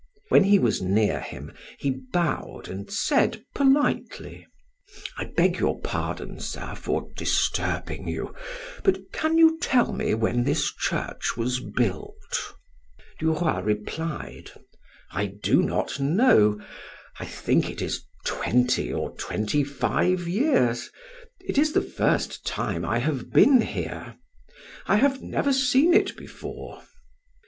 When he was near him, he bowed and said politely: "I beg your pardon, sir, for disturbing you; but can you tell me when this church was built?" Du Roy replied: "I do not know; I think it is twenty or twenty five years. It is the first time I have been here. I have never seen it before."